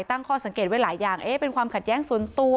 ตั้งข้อสังเกตไว้หลายอย่างเป็นความขัดแย้งส่วนตัว